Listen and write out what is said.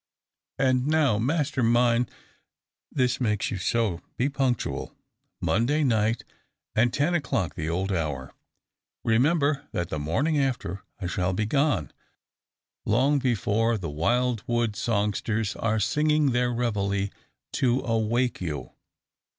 "And now, master mine this makes you so be punctual! Monday night, and ten o'clock the old hour. Remember that the morning after? I shall be gone long before the wild wood songsters are singing their `_reveille_' to awake you.